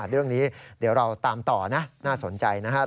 เรื่องนี้เดี๋ยวเราตามต่อนะน่าสนใจนะครับ